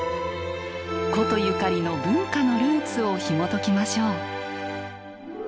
古都ゆかりの文化のルーツをひもときましょう。